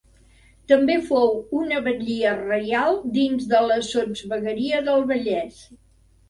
També fou una batllia reial dins de la Sotsvegueria del Vallès.